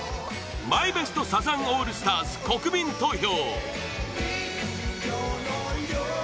マイベストサザンオールスターズ国民投票